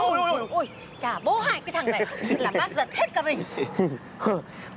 trả bố hai cái thằng này là bác giật hết cả mình